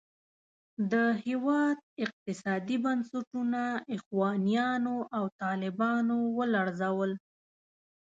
د هېواد اقتصادي بنسټونه اخوانیانو او طالبانو ولړزول.